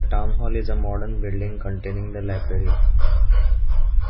The town hall is a modern building containing the library.